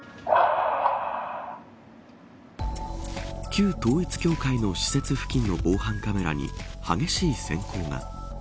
旧統一教会の施設付近の防犯カメラに激しい閃光が。